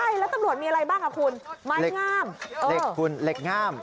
ใช่แล้วตำรวจมีอะไรบ้างอ่ะคุณไม้งามเหล็กคุณเหล็กง่าม